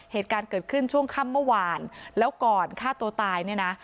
เหตุการณ์เกิดขึ้นช่วงค่ำเมื่อวานแล้วก่อนฆ่าตัวตายเนี่ยนะ